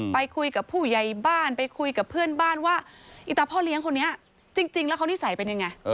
ไปคุยกับผู้ใหญ่บ้านไปคุยกับเพื่อนบ้านว่าอีตาพ่อเลี้ยงคนนี้จริงแล้วเขานิสัยเป็นยังไง